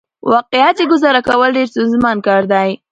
واقعيت چې ګزاره کول ډېره ستونزمن کار دى .